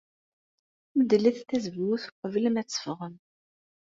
Medlet tazewwut uqbel ma teffɣem.